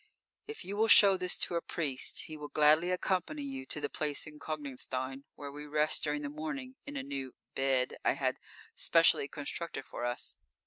_ If you will show this to a priest, he will gladly accompany you to the place in Konigstein, _where we rest during the morning in a new "bed" I had specially constructed for us.